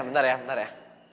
bentar ya bentar ya